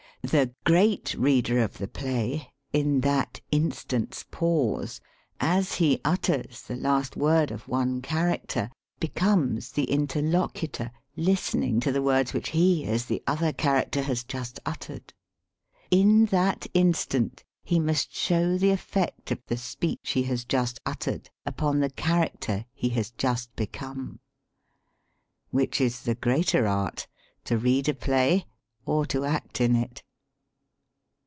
The great reader of the play (in that " instant's pause"), as he utters the last word of one character, becomes the interlocutor listening to the words which he as the other character has just uttered. In that instant he must show the effect of the speech he has just 217 THE SPEAKING VOICE uttered upon the character he has just be come. Which is the greater art : to read a play, or to act in it